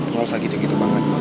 lo gak usah gitu gitu banget